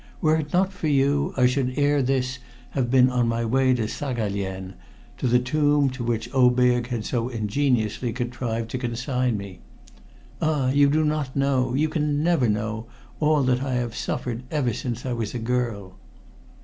Were it not for you, I should ere this have been on my way to Saghalien, to the tomb to which Oberg had so ingeniously contrived to consign me. Ah! you do not know you never can know all that I have suffered ever since I was a girl."